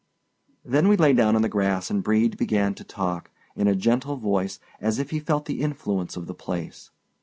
Then we lay down on the grass, and Brede began to talk, in a gentle voice, as if he felt the influence of the place.